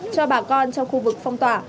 cho bà con trong khu vực phong tỏa